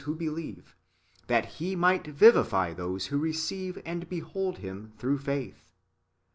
443 who believe, that He might vivify those who receive and behold Him through faith.